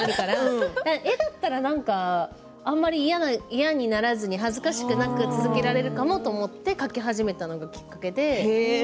絵だったらあまり嫌にならずに恥ずかしくなく続けられるかもと思って描き始めたのがきっかけで。